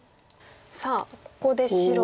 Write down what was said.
さあここで白は。